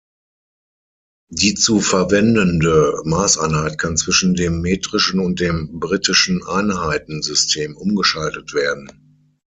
Die zu verwendende Maßeinheit kann zwischen dem metrischen und dem britischen Einheitensystem umgeschaltet werden.